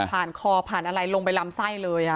ผ่านคอผ่านอะไรลงไปลำไส้เลย